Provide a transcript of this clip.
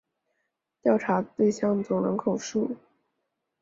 调查对象总人口数